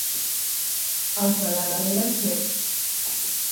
Els de la Galera, serps.